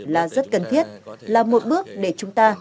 là rất cần thiết là một bước để chúng ta